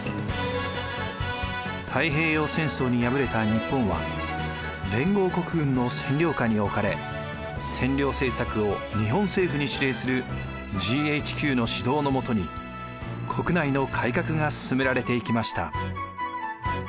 太平洋戦争に敗れた日本は連合国軍の占領下に置かれ占領政策を日本政府に指令するＧＨＱの指導のもとに国内の改革が進められていきました。